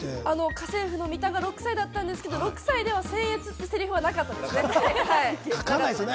『家政婦のミタ』が６歳だったんですけど、６歳では「僭越」っていう台詞はなかったです。